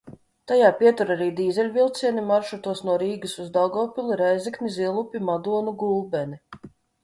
Tajā pietur arī dīzeļvilcieni maršrutos no Rīgas uz Daugavpili, Rēzekni, Zilupi, Madonu, Gulbeni.